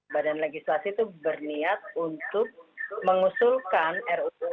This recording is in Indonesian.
badan legislasi itu berniat untuk mengusulkan ruu